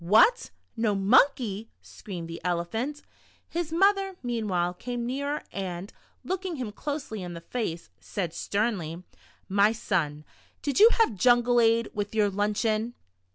"What, no monkey?" screamed the Elephant. His mother, meanwhile, came nearer, and looking him closely in the face, said sternly :" My son, did you have jungle ade with your lunch eon?"